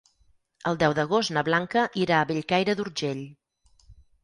El deu d'agost na Blanca irà a Bellcaire d'Urgell.